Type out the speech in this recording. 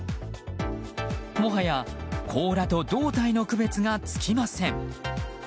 もはや、甲羅と胴体の区別がつきません。